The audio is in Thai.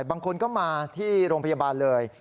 บางคนก็มาที่โรงพยาบาลเลย